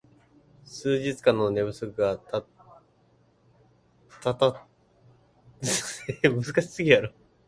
数日間の寝不足がたたって意識がもうろうとしている